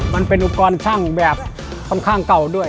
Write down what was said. มันเป็นอุปกรณ์ช่างแบบค่อนข้างเก่าด้วย